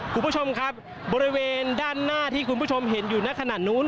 คุณผู้ชมครับบริเวณด้านหน้าที่คุณผู้ชมเห็นอยู่ในขณะนู้น